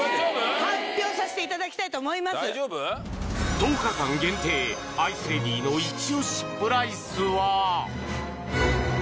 １０日間限定アイスレディのイチ押しプライスは？